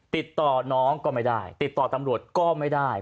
ติดต่อน้องก็ไม่ได้ติดต่อตำรวจก็ไม่ได้